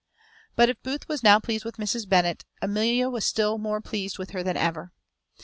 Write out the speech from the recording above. But if Booth was now pleased with Mrs. Bennet, Amelia was still more pleased with her than ever.